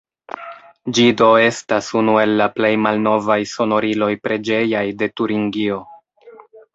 Ĝi do estas unu el la plej malnovaj sonoriloj preĝejaj de Turingio.